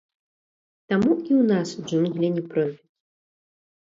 Таму і ў нас джунглі не пройдуць.